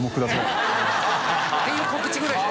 ていう告知ぐらいしか。